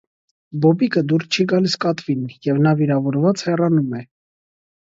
Բոբիկը դուր չի գալիս կատվին, և նա վիրավորված հեռանում է։